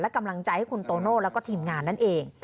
กำลังใจให้คุณโตโน่แล้วก็ทีมงานนั่นเอง